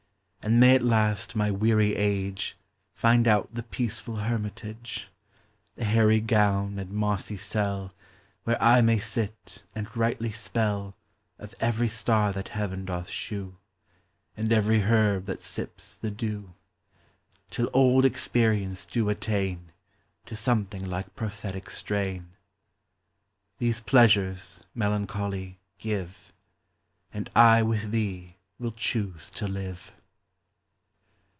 And may at last my weary age Find out the peaceful hermitage, The hairy gown and mossy cell, Where I may sit and rightly spell Of every star that heaven doth shew, And every herb that sips the dew ; LIFE. 257 Till old experience do attain To something like prophetic strain. These pleasures, Melancholy, give, And I with thee will choose to live.